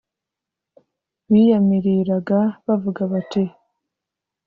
biyamiriraga bavuga bati